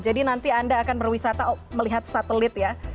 jadi nanti anda akan berwisata melihat satelit ya